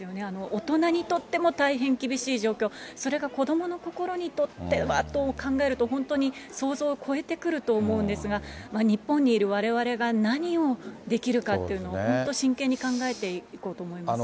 大人にとっても大変厳しい状況、それが子どもの心にとってはと考えると、本当に想像を超えてくると思うんですが、日本にいるわれわれが何をできるかっていうのを、本当真剣に考えていこうと思います。